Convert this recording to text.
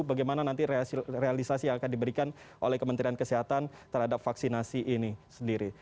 bagaimana nanti realisasi yang akan diberikan oleh kementerian kesehatan terhadap vaksinasi ini sendiri